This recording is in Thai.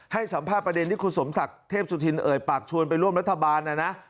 ให้สัมภาษณ์ประเด็นที่คุณสมศักดิ์เทพสุธินเอ่ยปากชวนไปร่วมรัฐบาลนะนะ